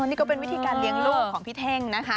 นี่ก็เป็นวิธีการเลี้ยงลูกของพี่เท่งนะคะ